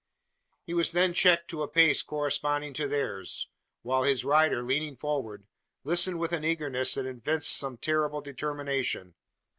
He was then checked to a pace corresponding to theirs; while his rider, leaning forward, listened with an eagerness that evinced some terrible determination.